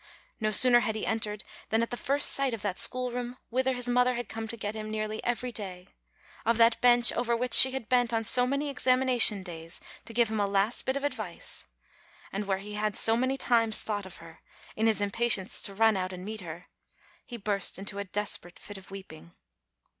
No sooner had he entered than at the first sight of that schoolroom whither his mother had come to get him nearly every day, of that bench over which she had bent on so many examination days to give him a last bit of advice, and where he had so many times thought of her, in his impatience to run? out and meet her, he burst into a desperate fit of weeping.